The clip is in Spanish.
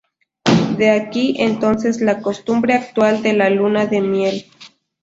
De aquí entonces la costumbre actual de la luna de miel.